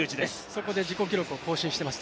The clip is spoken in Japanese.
そこで自己記録を更新しています